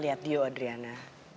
lihat dia odriana